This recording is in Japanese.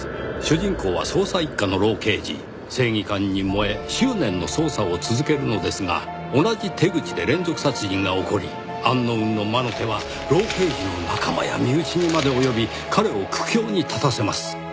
正義感に燃え執念の捜査を続けるのですが同じ手口で連続殺人が起こりアンノウンの魔の手は老刑事の仲間や身内にまで及び彼を苦境に立たせます。